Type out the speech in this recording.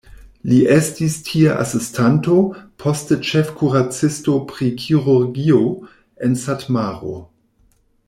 Li estis tie asistanto, poste ĉefkuracisto pri kirurgio en Satmaro.